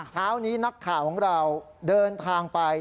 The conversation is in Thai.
เช้านี้นักข่าวของเราเดินทางไป